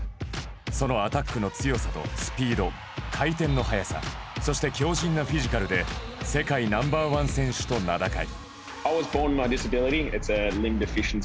そのアタックの強さとスピード回転の速さそして強じんなフィジカルで世界ナンバーワン選手と名高い。